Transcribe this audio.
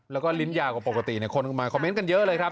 แล้วก็ลิ้นยาวกว่าปกติคนก็มาคอมเมนต์กันเยอะเลยครับ